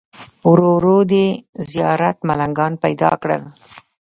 ورو ورو دې زیارت ملنګان پیدا کړل.